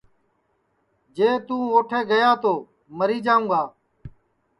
جے تُون اوٹھے گیا تو مری جاؤں گا